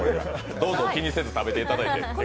どうぞ気にせず食べていただいて結構です。